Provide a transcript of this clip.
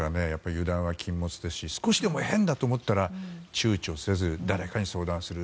油断は禁物ですし少しでも変だと思ったら躊躇せず誰かに相談をする。